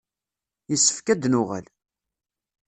Yessefk ad d-nuɣal.